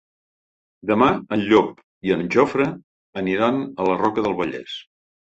Demà en Llop i en Jofre aniran a la Roca del Vallès.